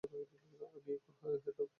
আমি এখনও হ্যান্ডঅফ নিশ্চিত করতেছি।